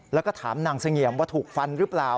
แล้วก็ถามนางเสงี่ยมว่าถูกฟันหรือเปล่า